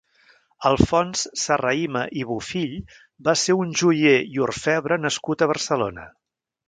Alfons Serrahima i Bofill va ser un joier i orfebre nascut a Barcelona.